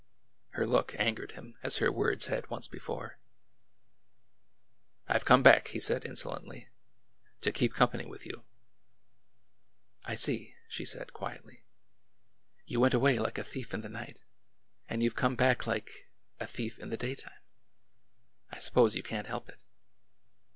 Her look angered him as her words had once before. " I Ve come back," he said insolently, '' to keep com pany with you." I see," she said quietly. You went away like a thief in the night, and you Ve come back like— a thief in the daytime. I suppose you can't help it."